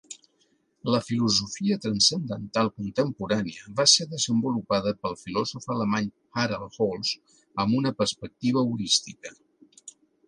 La filosofia transcendental contemporània va ser desenvolupada pel filòsof alemany Harald Holz amb una perspectiva holística.